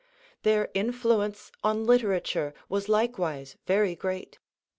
Their influence on literature was likewise very great.